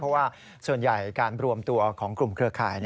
เพราะว่าส่วนใหญ่การรวมตัวของกลุ่มเครือข่าย